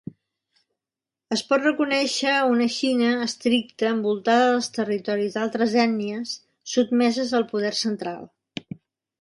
Es pot reconèixer una Xina estricta envoltada dels territoris d'altres ètnies, sotmeses al poder central.